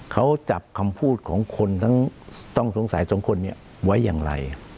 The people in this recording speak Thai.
เขาจับคำพูดของคนทั้งต้องสงสัยสองคนนี้ไว้อย่างไร